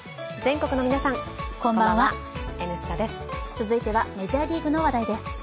続いてはメジャーリーグの話題です。